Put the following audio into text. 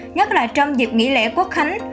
nhất là trong dịp nghỉ lễ quốc khánh